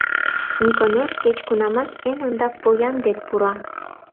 Никонор кеч-кунамат эн ондак поян дек пура.